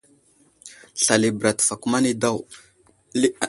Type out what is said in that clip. Slal i bəra ɗi təfakuma nay daw.